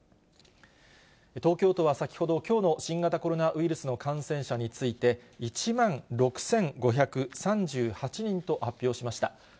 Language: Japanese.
東京都は先ほど、きょうの新型コロナウイルスの感染者について、１万６５３８人と発表しました。